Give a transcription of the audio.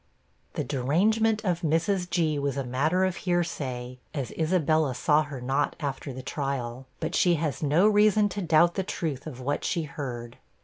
' The derangement of Mrs. G. was a matter of hearsay, as Isabella saw her not after the trial; but she has no reason to doubt the truth of what she heard.